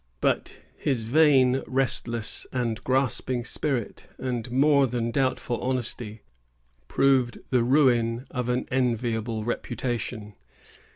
But his vain, restless, and grasping spirit, and more than doubtful honesty, proved the ruin of an enviable reputation.